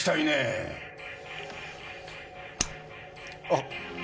あっ！？